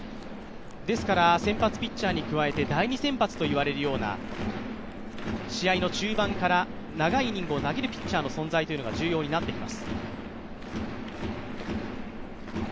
ですから、先発ピッチャーに加えて第２先発と言われるような、試合の中盤から長いイニングを投げるピッチャーの存在が大事になってきます。